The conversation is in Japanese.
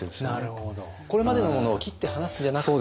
これまでのものを切って離すんじゃなくて。